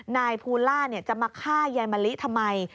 นายภูล่าจะมาฆ่ายายมะลิทำไม